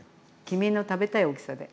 君の食べたい大きさで。